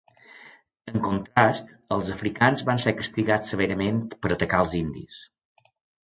En contrast, els africans van ser castigats severament per atacar als indis.